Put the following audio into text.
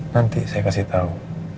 nanti saya kasih tahu